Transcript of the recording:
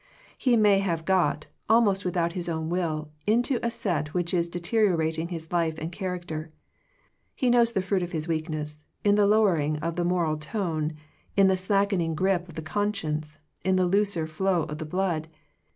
He may have got, almost without his own will, into a set which is deteriorating his life and character. He knows the fruits of his weakness, in the lowering of the moral tone, in the slack ening grip of the conscience, in the looser flow of the blood.